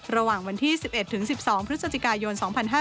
ระหว่างวันที่๑๑๑๒พฤศจิกายน๒๕๕๙